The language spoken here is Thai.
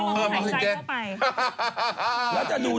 ฟันทง